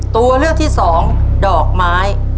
ตัวเลือกที่สองดอกไม้